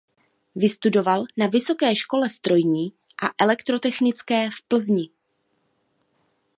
Vystudoval na Vysoké škole strojní a elektrotechnické v Plzni.